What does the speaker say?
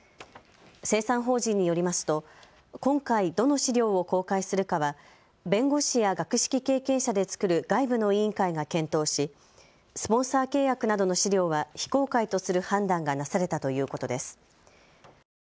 清算法人によりますと今回、どの資料を公開するかは弁護士や学識経験者で作る外部の委員会が検討しスポンサー契約などの資料は非公開とする判断がなされたということです。